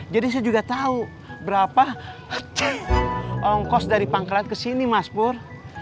jadi saya juga tahu berapa ongkos dari pangkalan ke sini mas pur